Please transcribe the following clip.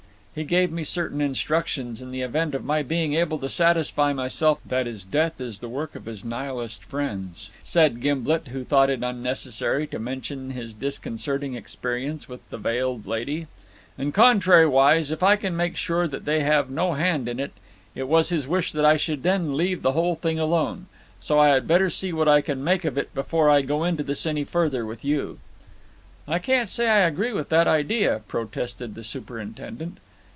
"He gave me certain instructions, in the event of my being able to satisfy myself that his death is the work of his Nihilist friends," said Gimblet, who thought it unnecessary to mention his disconcerting experience with the veiled lady, "And contrariwise, if I can make sure that they have no hand in it, it was his wish that I should then leave the whole thing alone. So I had better see what I can make of it before I go into this any further with you." "I can't say I agree with that idea," protested the superintendent.